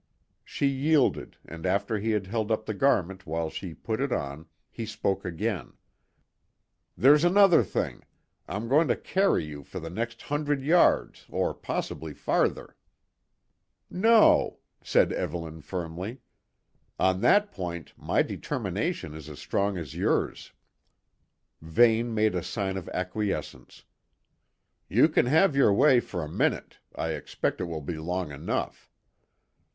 She yielded, and after he had held up the garment while she put it on, he spoke again: "There's another thing; I'm going to carry you for the next hundred yards, or possibly farther." "No," said Evelyn firmly. "On that point my determination is as strong as yours." Vane made a sign of acquiescence. "You can have your way for a minute; I expect it will be long enough."